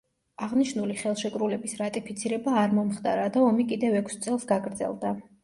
აღნიშნული ხელშეკრულების რატიფიცირება არ მომხდარა და ომი კიდევ ექვს წელს გაგრძელდა.